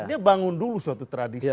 dia bangun dulu suatu tradisi